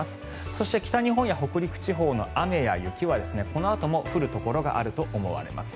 そして、北日本や北陸地方の雨や雪はこのあとも降るところがあると思われます。